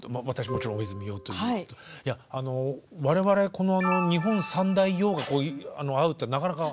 もちろん大泉洋ということでいや我々この日本三大「よう」が会うってなかなか。